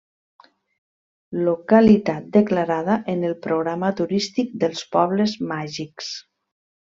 Localitat declarada en el programa turístic dels Pobles Màgics.